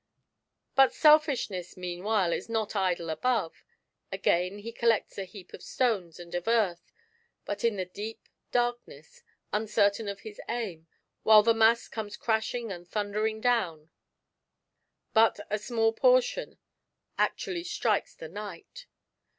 But Selfish ness, meanwhile, is not idle above ; again he collects a heap of Btones and of earth, hut in the deep dark ness, uncertain of his aim, while the mass comes crashing and thundering down, but a small portion ac tually strikes the knight.